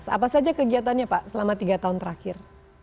apa saja kegiatannya pak selama tiga tahun terakhir